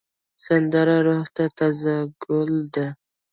سندره روح ته تازه ګل دی